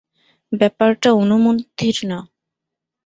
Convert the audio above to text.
ব্যাপারটা অনুমতির না।